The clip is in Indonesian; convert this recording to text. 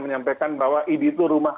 menyampaikan bahwa idi itu rumah